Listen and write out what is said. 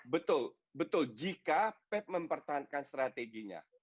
betul betul jika pep mempertahankan strateginya